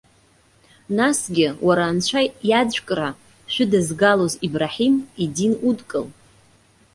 Насгьы, уара Анцәа иаӡәкра шәыдызгалоз Ибраҳим идин удкыл.